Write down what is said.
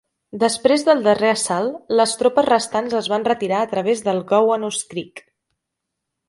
Després del darrer assalt, les tropes restants es van retirar a través del Gowanus Creek.